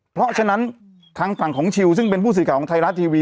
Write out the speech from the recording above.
เพราะฉะนั้นทางฝั่งของชิลซึ่งเป็นผู้สื่อข่าวของไทยรัฐทีวี